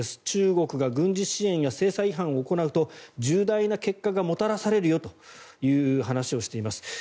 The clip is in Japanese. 中国が軍事支援や制裁違反を行うと重大な結果がもたらされるよという話をしています。